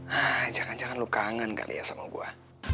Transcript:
hah jangan jangan lu kangen kali ya sama gue